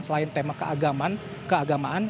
selain tema keagamaan